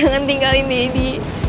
dan jangan tinggalin daddy